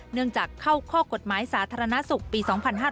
เนื่องจากเข้าข้อกฎหมายสาธารณสุขปี๒๕๕๙